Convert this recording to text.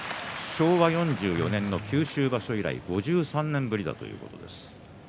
昭和４０年の九州場所以来５３年ぶりということです。